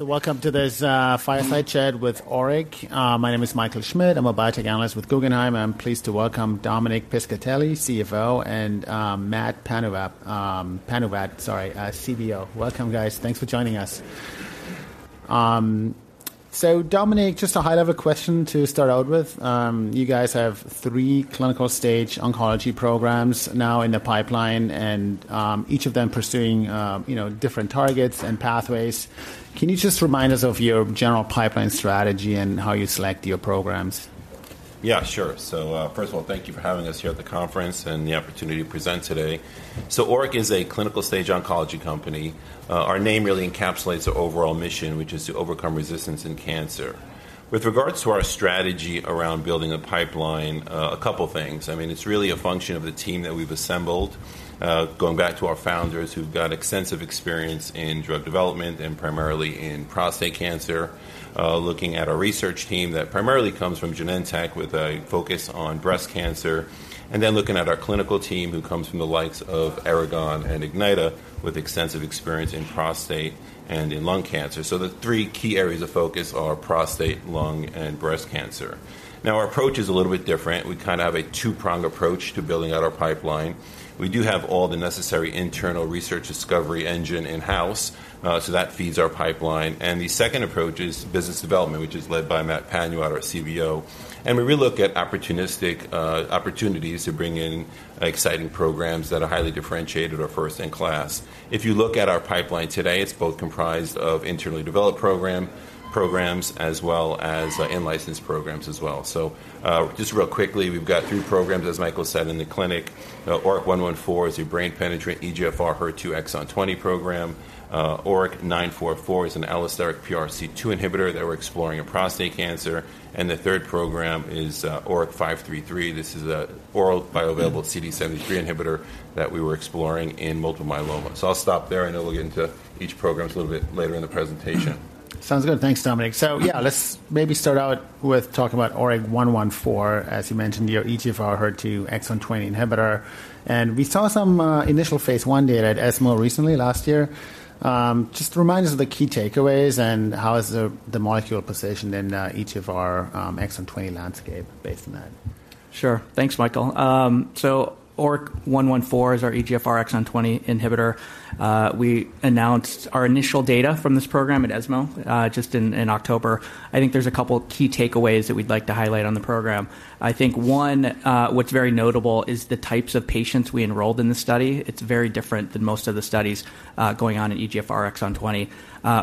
Welcome to this fireside chat with ORIC. My name is Michael Schmidt. I'm a biotech analyst with Guggenheim, and I'm pleased to welcome Dominic Piscitelli, CFO, and Matt Panuwat, CBO. Welcome, guys. Thanks for joining us. So Dominic, just a high-level question to start out with. You guys have three clinical-stage oncology programs now in the pipeline, and each of them pursuing you know different targets and pathways. Can you just remind us of your general pipeline strategy and how you select your programs? Yeah, sure. So, first of all, thank you for having us here at the conference and the opportunity to present today. So ORIC is a clinical-stage oncology company. Our name really encapsulates our overall mission, which is to overcome resistance in cancer. With regards to our strategy around building a pipeline, a couple of things. I mean, it's really a function of the team that we've assembled, going back to our founders, who've got extensive experience in drug development and primarily in prostate cancer. Looking at our research team that primarily comes from Genentech with a focus on breast cancer, and then looking at our clinical team, who comes from the likes of Aragon and Ignyta, with extensive experience in prostate and in lung cancer. So the three key areas of focus are prostate, lung, and breast cancer. Now, our approach is a little bit different. We kinda have a two-prong approach to building out our pipeline. We do have all the necessary internal research discovery engine in-house, so that feeds our pipeline. And the second approach is business development, which is led by Matt Panuwat, our CBO, and we really look at opportunistic, opportunities to bring in exciting programs that are highly differentiated or first in class. If you look at our pipeline today, it's both comprised of internally developed programs as well as in-license programs as well. So, just real quickly, we've got three programs, as Michael said, in the clinic. ORIC-114 is a brain-penetrant EGFR HER2 exon 20 program. ORIC-944 is an allosteric PRC2 inhibitor that we're exploring in prostate cancer, and the third program is, ORIC-533. This is an orally bioavailable CD73 inhibitor that we were exploring in multiple myeloma. So I'll stop there, and then we'll get into each program a little bit later in the presentation. Sounds good. Thanks, Dominic. So yeah, let's maybe start out with talking about ORIC-114, as you mentioned, your EGFR HER2 exon 20 inhibitor, and we saw some initial phase I data at ESMO recently last year. Just remind us of the key takeaways and how is the, the molecule positioned in, EGFR exon 20 landscape based on that? Sure. Thanks, Michael. So ORIC-114 is our EGFR exon 20 inhibitor. We announced our initial data from this program at ESMO just in October. I think there's a couple of key takeaways that we'd like to highlight on the program. I think one, what's very notable is the types of patients we enrolled in the study. It's very different than most of the studies going on in EGFR exon 20.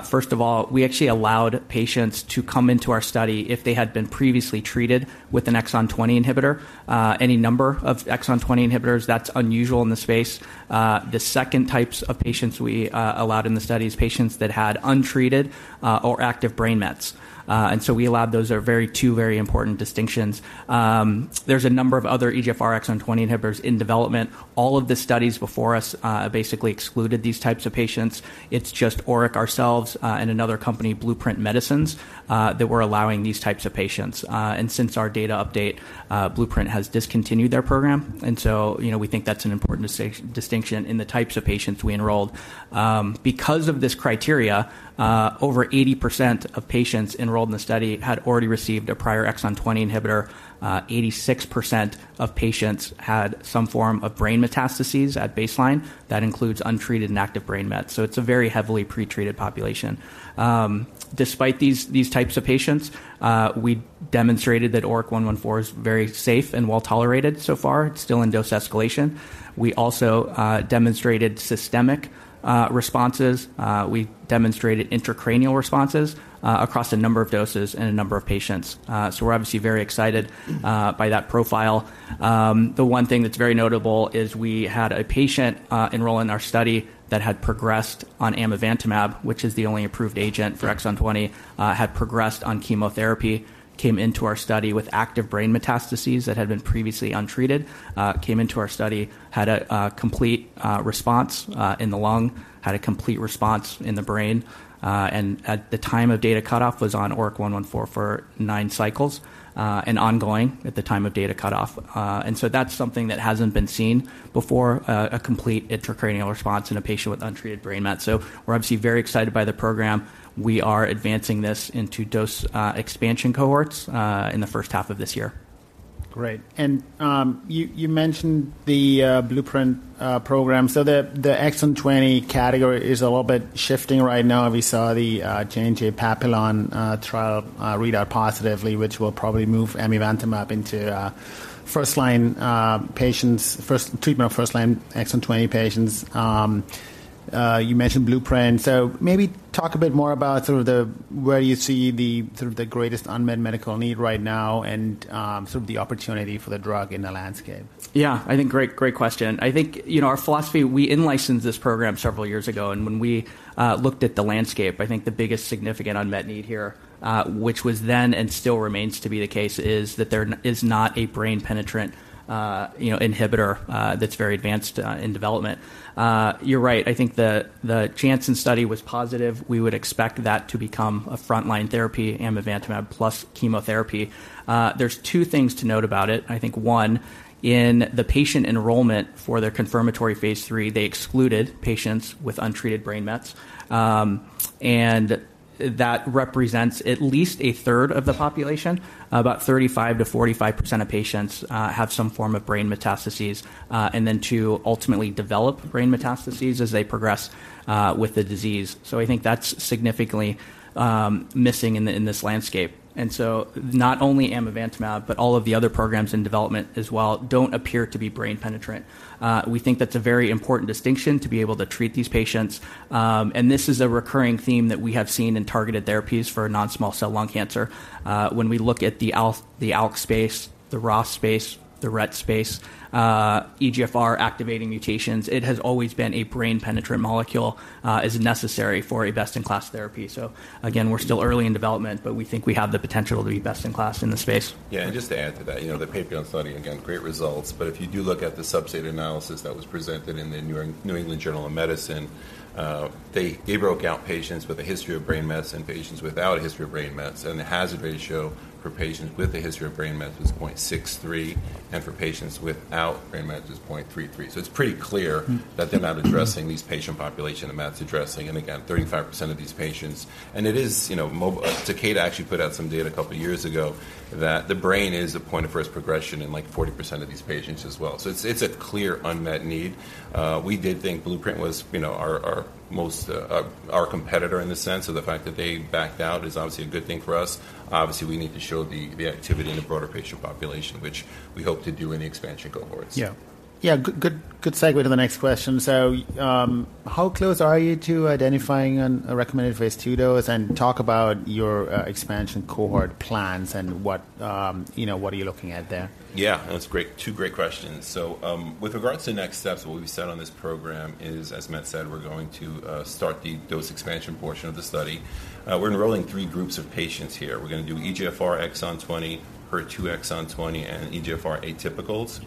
First of all, we actually allowed patients to come into our study if they had been previously treated with an exon 20 inhibitor. Any number of exon 20 inhibitors, that's unusual in the space. The second types of patients we allowed in the study is patients that had untreated or active brain mets. And so those are two very important distinctions. There's a number of other EGFR exon 20 inhibitors in development. All of the studies before us basically excluded these types of patients. It's just ORIC, ourselves, and another company, Blueprint Medicines, that were allowing these types of patients. Since our data update, Blueprint has discontinued their program, and so, you know, we think that's an important distinction in the types of patients we enrolled. Because of this criteria, over 80% of patients enrolled in the study had already received a prior exon 20 inhibitor. 86% of patients had some form of brain metastases at baseline. That includes untreated and active brain mets, so it's a very heavily pretreated population. Despite these types of patients, we demonstrated that ORIC-114 is very safe and well-tolerated so far. It's still in dose escalation. We also demonstrated systemic responses. We demonstrated intracranial responses across a number of doses and a number of patients. So we're obviously very excited by that profile. The one thing that's very notable is we had a patient enroll in our study that had progressed on amivantamab, which is the only approved agent for exon 20, had progressed on chemotherapy, came into our study with active brain metastases that had been previously untreated. Came into our study, had a complete response in the lung, had a complete response in the brain, and at the time of data cutoff, was on ORIC-114 for 9 cycles, and ongoing at the time of data cutoff. And so that's something that hasn't been seen before, a complete intracranial response in a patient with untreated brain mets. We're obviously very excited by the program. We are advancing this into dose expansion cohorts in the first half of this year. Great. And, you mentioned the Blueprint program. So the exon 20 category is a little bit shifting right now. We saw the J&J PAPILLON trial read out positively, which will probably move amivantamab into first-line patients, first treatment of first-line exon 20 patients. You mentioned Blueprint, so maybe talk a bit more about sort of where you see sort of the greatest unmet medical need right now and sort of the opportunity for the drug in the landscape. Yeah, I think great, great question. I think, you know, our philosophy, we in-licensed this program several years ago, and when we looked at the landscape, I think the biggest significant unmet need here, which was then and still remains to be the case, is that there is not a brain-penetrant, you know, inhibitor that's very advanced in development. You're right, I think the Janssen study was positive. We would expect that to become a frontline therapy, amivantamab plus chemotherapy. There's two things to note about it. I think one, in the patient enrollment for their confirmatory phase III, they excluded patients with untreated brain mets. And that represents at least a third of the population. About 35%-45% of patients have some form of brain metastases, and then to ultimately develop brain metastases as they progress with the disease. So I think that's significantly missing in this landscape. And so not only amivantamab, but all of the other programs in development as well, don't appear to be brain-penetrant. We think that's a very important distinction to be able to treat these patients. And this is a recurring theme that we have seen in targeted therapies for non-small cell lung cancer. When we look at the ALK, the ALK space, the ROS space, the RET space, EGFR activating mutations, it has always been a brain-penetrant molecule, is necessary for a best-in-class therapy. So again, we're still early in development, but we think we have the potential to be best in class in this space. Yeah, and just to add to that, you know, the PAPILLON study, again, great results, but if you do look at the subset analysis that was presented in the New England Journal of Medicine, they, they broke out patients with a history of brain mets and patients without a history of brain mets, and the hazard ratio for patients with a history of brain mets was 0.63, and for patients without brain mets is 0.33. So it's pretty clear- Mm-hmm that they're not addressing these patient population, the mets addressing, and again, 35% of these patients. And it is, you know, Takeda actually put out some data a couple of years ago that the brain is a point of first progression in, like, 40% of these patients as well. So it's, it's a clear unmet need. We did think Blueprint was, you know, our, our most, our competitor in the sense, so the fact that they backed out is obviously a good thing for us. Obviously, we need to show the activity in the broader patient population, which we hope to do in the expansion cohorts. Yeah. Yeah, good, good, good segue to the next question. So, how close are you to identifying a recommended phase 2 dose? And talk about your expansion cohort plans and, you know, what are you looking at there? Yeah, that's great. Two great questions. So, with regards to the next steps, what we've said on this program is, as Matt said, we're going to start the dose expansion portion of the study. We're enrolling three groups of patients here. We're gonna do EGFR exon 20, HER2 exon 20, and EGFR atypicals.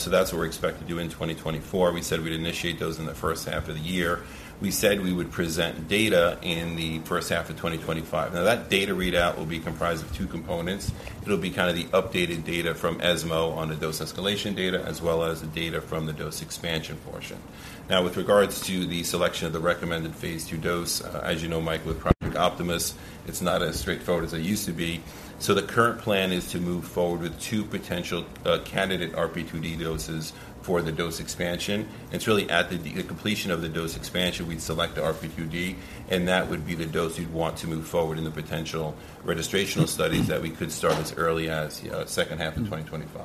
So that's what we expect to do in 2024. We said we'd initiate those in the first half of the year. We said we would present data in the first half of 2025. Now, that data readout will be comprised of two components. It'll be kind of the updated data from ESMO on the dose escalation data, as well as the data from the dose expansion portion. Now, with regards to the selection of the recommended Phase 2 dose, as you know, Mike, with Project Optimus, it's not as straightforward as it used to be. So the current plan is to move forward with two potential candidate RP2D doses for the dose expansion. It's really at the completion of the dose expansion, we'd select the RP2D, and that would be the dose you'd want to move forward in the potential registrational studies that we could start as early as second half of 2025.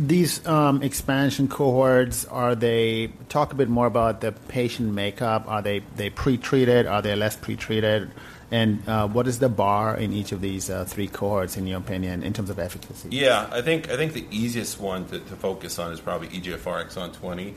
These expansion cohorts, are they...? Talk a bit more about the patient makeup. Are they pretreated? Are they less pretreated? And what is the bar in each of these three cohorts, in your opinion, in terms of efficacy? Yeah, I think the easiest one to focus on is probably EGFR exon 20.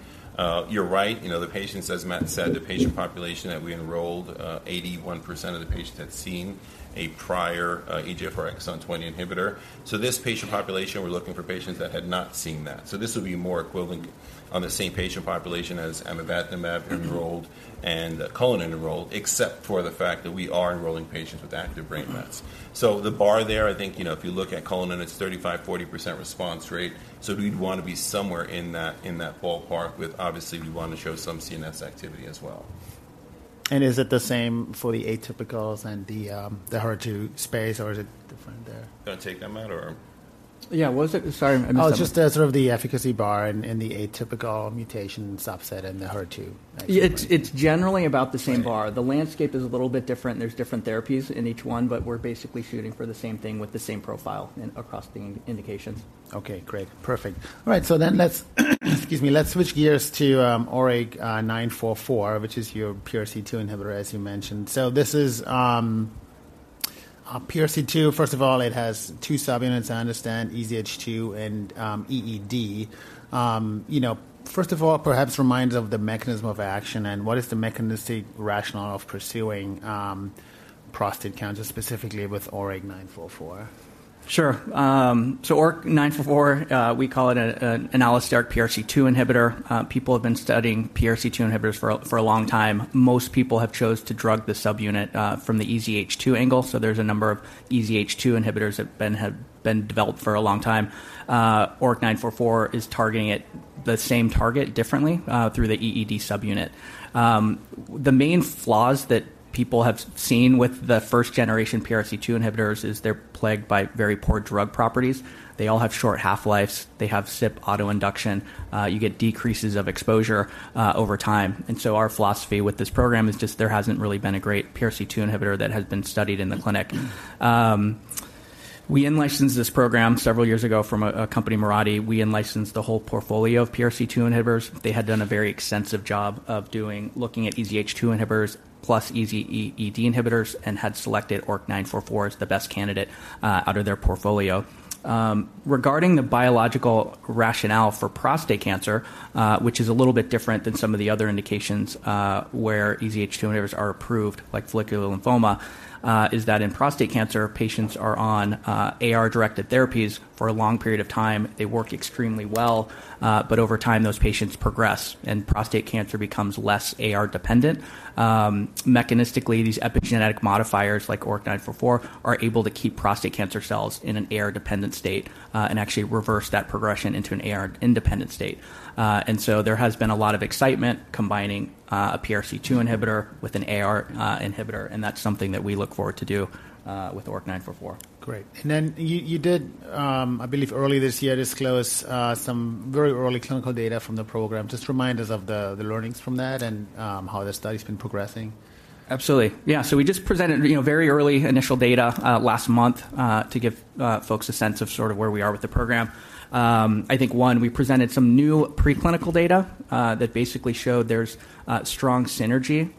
You're right, you know, the patients, as Matt said, the patient population that we enrolled, 81% of the patients had seen a prior EGFR exon 20 inhibitor. So this patient population, we're looking for patients that had not seen that. So this would be more equivalent on the same patient population as amivantamab enrolled and the Cullinan enrolled, except for the fact that we are enrolling patients with active brain mets. So the bar there, I think, you know, if you look at Cullinan, and it's 35%-40% response rate, so we'd want to be somewhere in that ballpark with. Obviously, we want to show some CNS activity as well. Is it the same for the atypicals and the HER2 space, or is it different there? Do you want to take that, Matt, or? Yeah. What was it? Sorry, I missed- Oh, just as sort of the efficacy bar in the atypical mutation subset and the HER2. Yeah, it's, it's generally about the same bar. Right. The landscape is a little bit different. There's different therapies in each one, but we're basically shooting for the same thing with the same profile in, across the indications. Okay, great. Perfect. All right, so then let's, excuse me, let's switch gears to ORIC-944, which is your PRC2 inhibitor, as you mentioned. So this is PRC2, first of all, it has two subunits, I understand, EZH2 and EED. You know, first of all, perhaps remind us of the mechanism of action and what is the mechanistic rationale of pursuing prostate cancer, specifically with ORIC-944? Sure. So ORIC-944, we call it an allosteric PRC2 inhibitor. People have been studying PRC2 inhibitors for a long time. Most people have chose to drug the subunit from the EZH2 angle, so there's a number of EZH2 inhibitors that have been developed for a long time. ORIC-944 is targeting the same target differently through the EED subunit. The main flaws that people have seen with the first generation PRC2 inhibitors is they're plagued by very poor drug properties. They all have short half-lives, they have CYP autoinduction, you get decreases of exposure over time. And so our philosophy with this program is just there hasn't really been a great PRC2 inhibitor that has been studied in the clinic. We in-licensed this program several years ago from a company, Mirati. We in-licensed the whole portfolio of PRC2 inhibitors. They had done a very extensive job of looking at EZH2 inhibitors, plus EED inhibitors, and had selected ORIC-944 as the best candidate out of their portfolio. Regarding the biological rationale for prostate cancer, which is a little bit different than some of the other indications where EZH2 inhibitors are approved, like follicular lymphoma, is that in prostate cancer, patients are on AR-directed therapies for a long period of time. They work extremely well, but over time, those patients progress, and prostate cancer becomes less AR dependent. Mechanistically, these epigenetic modifiers, like ORIC-944, are able to keep prostate cancer cells in an AR-dependent state, and actually reverse that progression into an AR-independent state. and so there has been a lot of excitement combining a PRC2 inhibitor with an AR inhibitor, and that's something that we look forward to do with ORIC-944. Great. And then you did, I believe, earlier this year, disclose some very early clinical data from the program. Just remind us of the learnings from that and how the study's been progressing. Absolutely. Yeah, so we just presented, you know, very early initial data last month to give folks a sense of sort of where we are with the program. I think, one, we presented some new preclinical data that basically showed there's strong synergy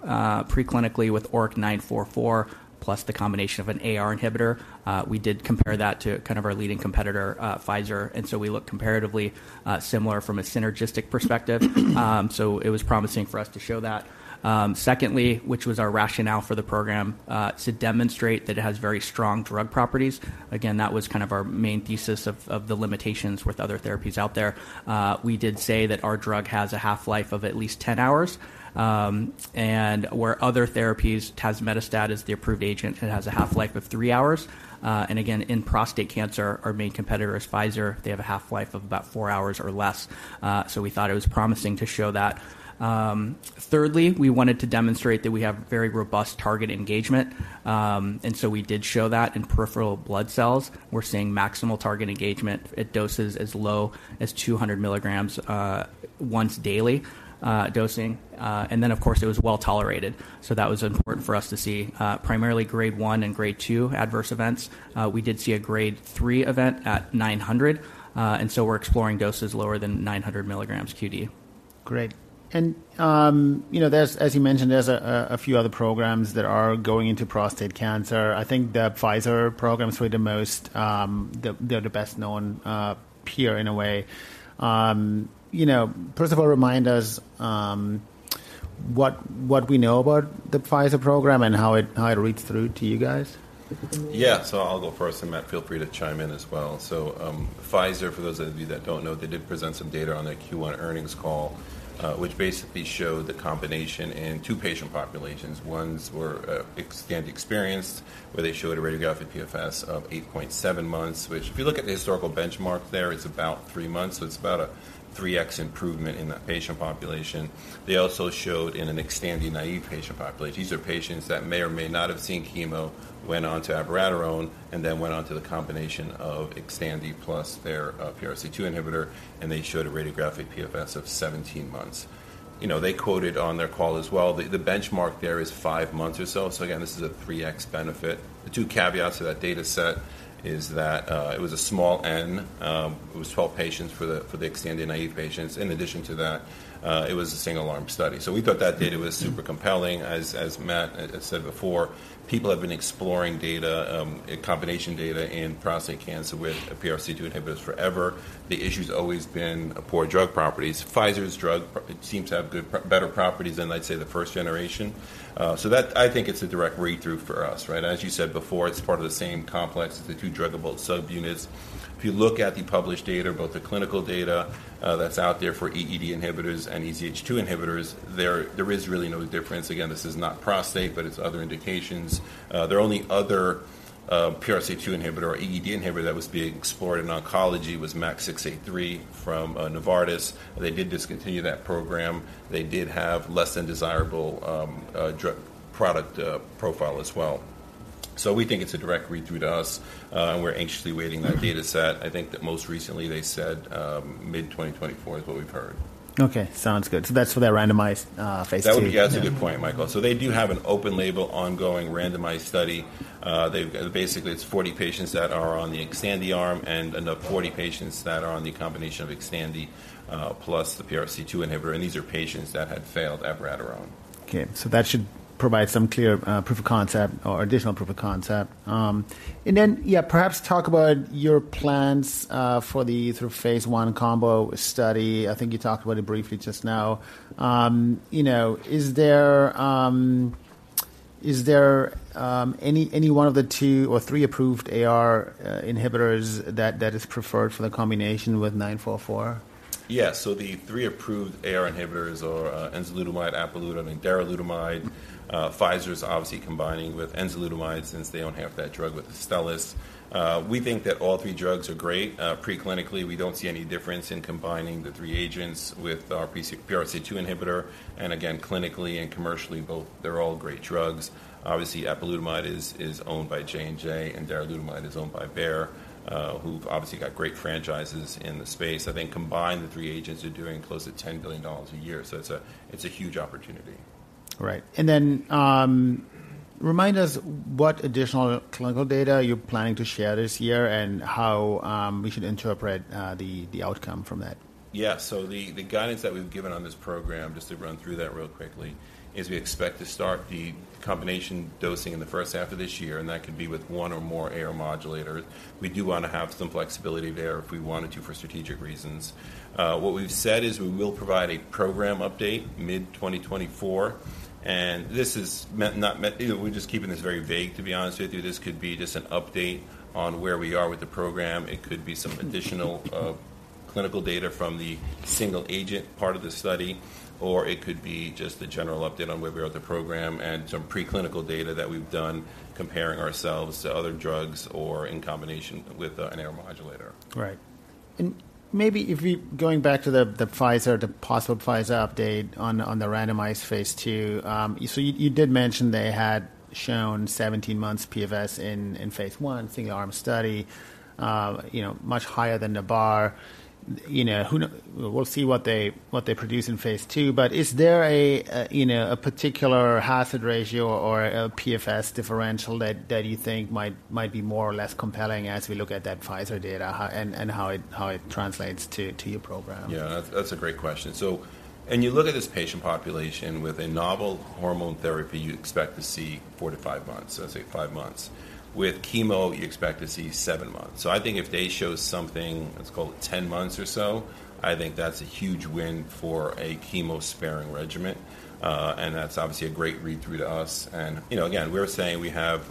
preclinically with ORIC-944 plus the combination of an AR inhibitor. We did compare that to kind of our leading competitor, Pfizer, and so we look comparatively similar from a synergistic perspective. So it was promising for us to show that. Secondly, which was our rationale for the program, to demonstrate that it has very strong drug properties. Again, that was kind of our main thesis of the limitations with other therapies out there. We did say that our drug has a half-life of at least 10 hours. And where other therapies, tazemetostat is the approved agent, it has a half-life of three hours. And again, in prostate cancer, our main competitor is Pfizer. They have a half-life of about four hours or less, so we thought it was promising to show that. Thirdly, we wanted to demonstrate that we have very robust target engagement, and so we did show that in peripheral blood cells. We're seeing maximal target engagement at doses as low as 200 milligrams once daily dosing, and then, of course, it was well tolerated. So that was important for us to see, primarily grade one and grade two adverse events. We did see a grade three event at 900, and so we're exploring doses lower than 900 milligrams QD. Great. And, you know, there's... As you mentioned, there's a few other programs that are going into prostate cancer. I think the Pfizer programs were the most, they're the best known, peer in a way. You know, first of all, remind us, what we know about the Pfizer program and how it reads through to you guys, if you can? Yeah. So I'll go first, and, Matt, feel free to chime in as well. So, Pfizer, for those of you that don't know, they did present some data on their Q1 earnings call, which basically showed the combination in two patient populations. One's where, XTANDI-experienced, where they showed a radiographic PFS of 8.7 months, which if you look at the historical benchmark there, it's about three months, so it's about a 3x improvement in that patient population. They also showed in an XTANDI-naive patient population. These are patients that may or may not have seen chemo, went on to abiraterone, and then went on to the combination of XTANDI plus their PRC2 inhibitor, and they showed a radiographic PFS of 17 months. You know, they quoted on their call as well, the benchmark there is five months or so. So again, this is a 3x benefit. The two caveats to that data set is that it was a small N. It was 12 patients for the, for the XTANDI-naive patients. In addition to that, it was a single-arm study. So we thought that data was super compelling. As Matt has said before, people have been exploring data, combination data in prostate cancer with PRC2 inhibitors forever. The issue's always been poor drug properties. Pfizer's drug seems to have good, better properties than, let's say, the first generation. So that I think it's a direct read-through for us, right? As you said before, it's part of the same complex as the two druggable subunits. If you look at the published data, both the clinical data, that's out there for EED inhibitors and EZH2 inhibitors, there is really no difference. Again, this is not prostate, but it's other indications. Their only other PRC2 inhibitor or EED inhibitor that was being explored in oncology was MAK683 from Novartis. They did discontinue that program. They did have less than desirable product profile as well. So we think it's a direct read-through to us, and we're anxiously awaiting that data set. I think that most recently they said mid-2024 is what we've heard. Okay, sounds good. So that's for their randomized phase II- That's a good point, Michael. So they do have an open-label, ongoing, randomized study. They've basically, it's 40 patients that are on the XTANDI arm and another 40 patients that are on the combination of XTANDI plus the PRC2 inhibitor, and these are patients that had failed abiraterone. Okay, so that should provide some clear proof of concept or additional proof of concept. And then, yeah, perhaps talk about your plans for the sort of phase I combo study. I think you talked about it briefly just now. You know, is there any one of the two or three approved AR inhibitors that is preferred for the combination with nine four four? Yeah. So the three approved AR inhibitors are enzalutamide, apalutamide, and darolutamide. Pfizer's obviously combining with enzalutamide since they don't have that drug with Astellas. We think that all three drugs are great. Preclinically, we don't see any difference in combining the three agents with our PRC2 inhibitor. And again, clinically and commercially, both, they're all great drugs. Obviously, apalutamide is owned by J&J, and darolutamide is owned by Bayer, who've obviously got great franchises in the space. I think combined, the three agents are doing close to $10 billion a year, so it's a huge opportunity.... Right. And then, remind us what additional clinical data you're planning to share this year and how we should interpret the outcome from that? Yeah. So the guidance that we've given on this program, just to run through that real quickly, is we expect to start the combination dosing in the first half of this year, and that could be with one or more AR modulators. We do want to have some flexibility there if we wanted to, for strategic reasons. What we've said is we will provide a program update mid-2024, and this is me- not me-- You know, we're just keeping this very vague, to be honest with you. This could be just an update on where we are with the program. It could be some additional, clinical data from the single-agent part of the study, or it could be just a general update on where we are with the program and some preclinical data that we've done comparing ourselves to other drugs or in combination with, an AR modulator. Right. And maybe if we—going back to the Pfizer, the possible Pfizer update on the randomized phase II. So you did mention they had shown 17 months PFS in phase I, single-arm study, you know, much higher than the bar. You know, We'll see what they produce in phase II. But is there a, you know, a particular hazard ratio or a PFS differential that you think might be more or less compelling as we look at that Pfizer data, how—and how it translates to your program? Yeah, that's, that's a great question. So when you look at this patient population with a novel hormone therapy, you'd expect to see 4-5 months, let's say 5 months. With chemo, you expect to see 7 months. So I think if they show something, let's call it 10 months or so, I think that's a huge win for a chemo-sparing regimen, and that's obviously a great read-through to us. And, you know, again, we're saying we have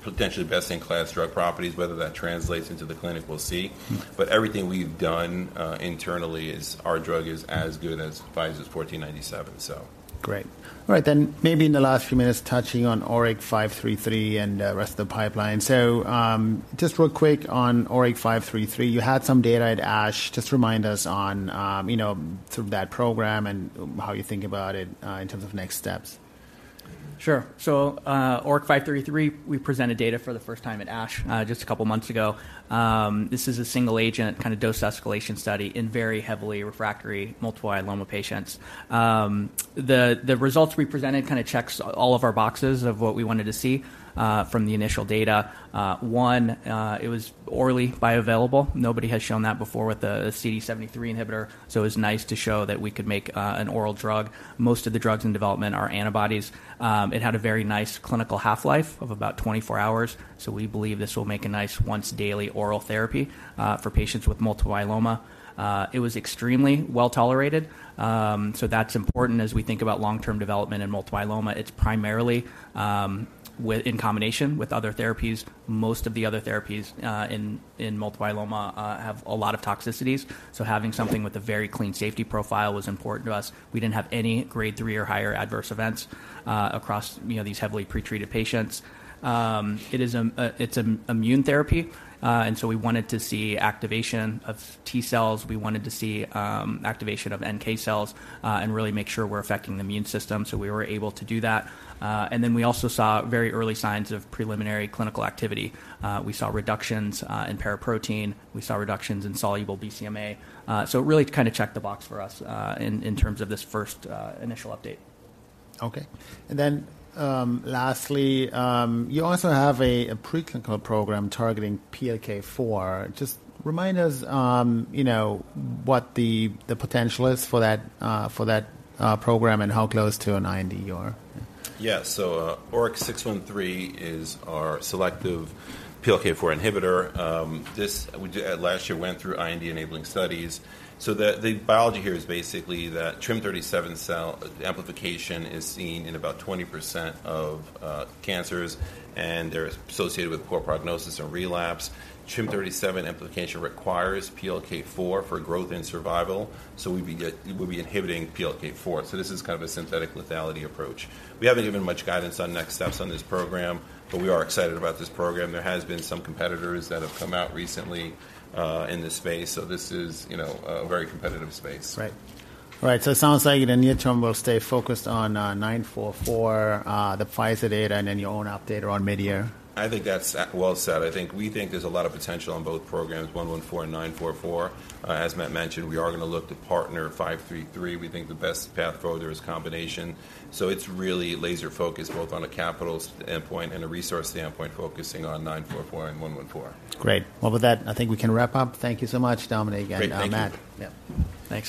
potentially best-in-class drug properties. Whether that translates into the clinic, we'll see. Mm. But everything we've done internally is our drug is as good as Pfizer's 1497, so. Great. All right, then maybe in the last few minutes, touching on ORIC-533 and the rest of the pipeline. So, just real quick on ORIC-533, you had some data at ASH. Just remind us on, you know, sort of that program and how you think about it, in terms of next steps. Sure. So, ORIC-533, we presented data for the first time at ASH just a couple of months ago. This is a single-agent kind of dose escalation study in very heavily refractory multiple myeloma patients. The results we presented kind of checks all of our boxes of what we wanted to see from the initial data. One, it was orally bioavailable. Nobody has shown that before with a CD73 inhibitor, so it's nice to show that we could make an oral drug. Most of the drugs in development are antibodies. It had a very nice clinical half-life of about 24 hours, so we believe this will make a nice once-daily oral therapy for patients with multiple myeloma. It was extremely well-tolerated, so that's important as we think about long-term development in multiple myeloma. It's primarily in combination with other therapies. Most of the other therapies in multiple myeloma have a lot of toxicities, so having something with a very clean safety profile was important to us. We didn't have any Grade 3 or higher adverse events across, you know, these heavily pretreated patients. It is it's an immune therapy, and so we wanted to see activation of T-cells. We wanted to see activation of NK cells and really make sure we're affecting the immune system, so we were able to do that. And then we also saw very early signs of preliminary clinical activity. We saw reductions in paraprotein. We saw reductions in soluble BCMA. So it really kind of checked the box for us in terms of this first initial update. Okay. And then, lastly, you also have a preclinical program targeting PLK4. Just remind us, you know, what the potential is for that program and how close to an IND you are. Yeah. So, ORIC-613 is our selective PLK4 inhibitor. This, we went through IND-enabling studies last year. So the biology here is basically that TRIM37 amplification is seen in about 20% of cancers, and they're associated with poor prognosis and relapse. TRIM37 amplification requires PLK4 for growth and survival, so we'll be inhibiting PLK4. So this is kind of a synthetic lethality approach. We haven't given much guidance on next steps on this program, but we are excited about this program. There has been some competitors that have come out recently in this space, so this is, you know, a very competitive space. Right. All right, so it sounds like in the near term, we'll stay focused on 944, the Pfizer data, and then your own update around mid-year? I think that's well said. I think we think there's a lot of potential on both programs, 114 and 944. As Matt mentioned, we are gonna look to partner 533. We think the best path forward there is combination. So it's really laser-focused both on a capital standpoint and a resource standpoint, focusing on 944 and 114. Great. Well, with that, I think we can wrap up. Thank you so much, Dominic- Great. Thank you. Matt. Yeah. Thanks.